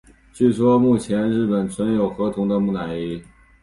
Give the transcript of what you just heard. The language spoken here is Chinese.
据说目前日本存有河童的木乃伊。